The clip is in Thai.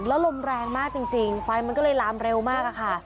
แล้วลมแรงมากจริงไฟมันก็เลยลามเร็วมากอะค่ะ